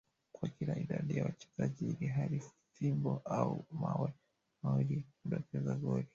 kwa kila idadi ya wachezaji ilhali fimbo au mawe mawili hudokeza goli